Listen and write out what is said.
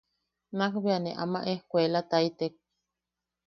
Nakbea ne ama ejkuuelataitek.